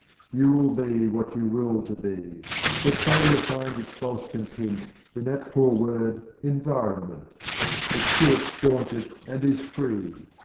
"You will be what you will to be; Let failure find its false content In that poor word environment, But spirit scorns it and is free.